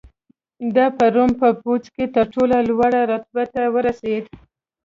دا په روم په پوځ کې تر ټولو لوړې رتبې ته ورسېد